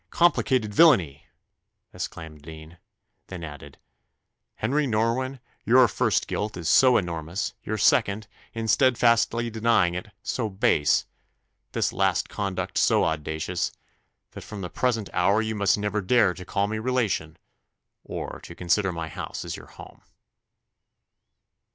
Complicated villainy!" exclaimed the dean; then added, "Henry Norwynne, your first guilt is so enormous; your second, in steadfastly denying it, so base, this last conduct so audacious; that from the present hour you must never dare to call me relation, or to consider my house as your home."